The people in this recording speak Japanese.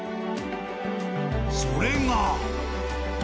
それが。